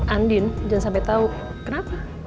andin jangan sampai tahu kenapa